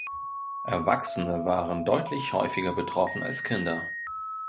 Erwachsene waren deutlich häufiger betroffen als Kinder.